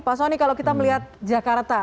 pak soni kalau kita melihat jakarta